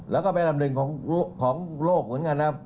แล้วก็เป็นอันดับหนึ่งของโลกเหมือนกันนะ